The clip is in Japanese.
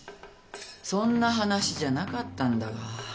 そんな話じゃなかったんだが。